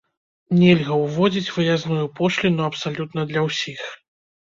Нельга ўводзіць выязную пошліну абсалютна для ўсіх.